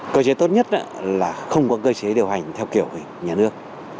cơ chế tốt nhất là không có cơ chế điều hành theo kiểu nhà nước